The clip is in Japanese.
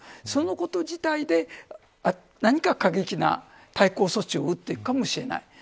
そのこと自体で何か過激な対抗措置を打っていくかもしれない。